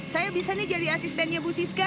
saya bisa nih jadi asistennya bu siska